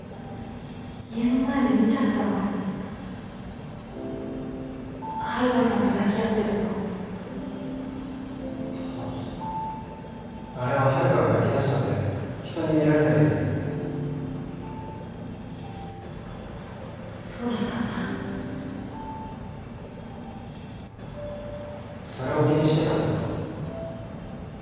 家の前で見ちゃったの遥さんと抱き合ってるのあああれは遥が泣きだしたんで人に見られないようにそうだったんだそれを気にしてたんですか？